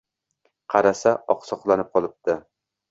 Qarasa, oqsoqlanib qolibdi.